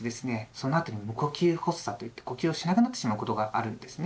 そのあとに「無呼吸発作」といって呼吸をしなくなってしまうことがあるんですね。